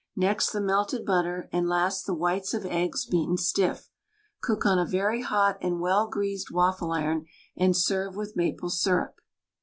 Next the melted butter and last the whites of eggs, beaten stiff. Cook on a very hot and well greased waffle iron and serve with maple syrup.